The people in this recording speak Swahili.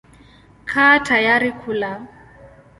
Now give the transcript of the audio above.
Kaa tayari kula.